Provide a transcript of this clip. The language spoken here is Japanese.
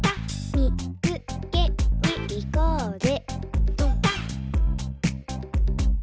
「みつけにいこうぜ」